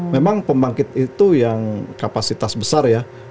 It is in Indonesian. memang pembangkit itu yang kapasitas besar ya